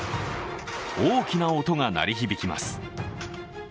大きな音が鳴り響きます。